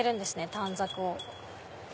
短冊を。